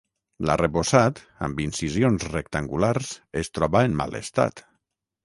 L'arrebossat, amb incisions rectangulars, es troba en mal estat.